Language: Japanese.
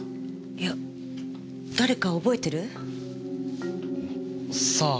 いや誰か覚えてる？さあ？